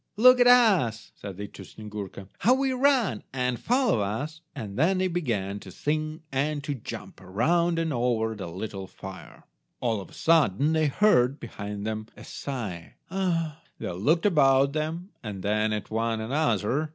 "Look at us," said they to Snyegurka, "how we run, and follow us," and then they began to sing and to jump, around and over the little fire. All of a sudden they heard, behind them, a sigh— "Ah!" They looked about them, and then at one another.